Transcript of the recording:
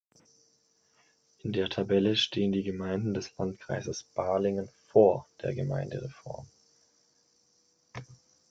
In der Tabelle stehen die Gemeinden des Landkreises Balingen "vor" der Gemeindereform.